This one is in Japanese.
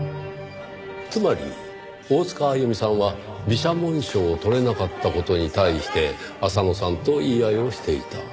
つまり大塚あゆみさんは美写紋賞を取れなかった事に対して浅野さんと言い合いをしていた。